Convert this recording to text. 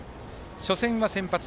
初戦は先発。